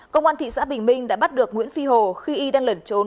công an thị xã bình minh đã bắt được nguyễn phi hồ khi y đang lẩn trốn